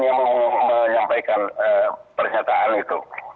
saya menyampaikan pernyataan itu